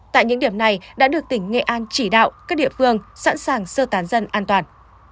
tại những điểm này đã được tỉnh nghệ an chỉ đạo các địa phương sẵn sàng sơ tán dân an toàn